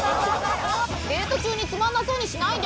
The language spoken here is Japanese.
デート中につまんなそうにしないで！